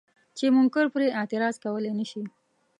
چې منکر پرې اعتراض کولی نه شي.